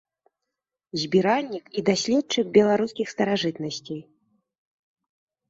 Збіральнік і даследчык беларускіх старажытнасцей.